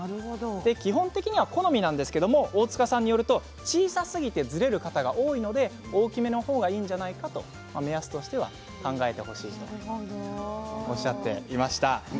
基本的には好みなんですけど大塚さんによると小さすぎてズレる方が多いので大きめの方がいいんじゃないかと目安として考えてほしいとおっしゃっていました。